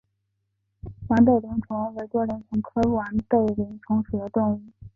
完背鳞虫为多鳞虫科完背鳞虫属的动物。